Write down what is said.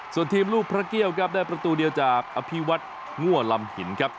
ส่วนทีมลูกพระเกี่ยวครับได้ประตูเดียวจากอภิวัตงั่วลำหินครับ